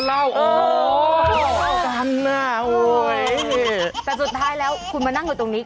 แต่สุดท้ายแล้วคุณมานั่งอยู่ตรงนี้